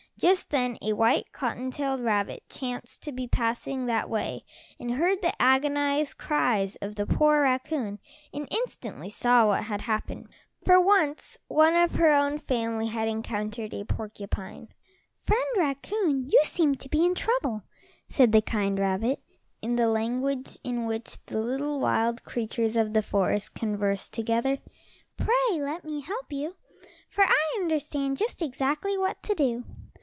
Just then a white cottontail rabbit chanced to be passing that way, and heard the agonized cries of the poor raccoon and instantly saw what had happened, for once one of her own family had encountered a porcupine. "Friend Raccoon, you seem to be in trouble," said the kind rabbit, in the language in which the little wild creatures of the forest converse together. "Pray, let me help you, for I understand just exactly what to do."